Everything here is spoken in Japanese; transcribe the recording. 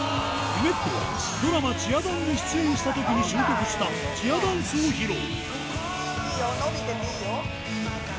夢っぺは、ドラマ、チア☆ダンに出演したときに習得したチアダンスを披露。